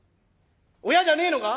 親じゃねえのか？